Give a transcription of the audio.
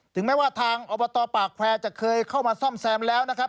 แม้ว่าทางอบตปากแควร์จะเคยเข้ามาซ่อมแซมแล้วนะครับ